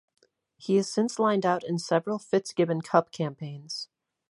He has since lined out in several Fitzgibbon Cup campaigns.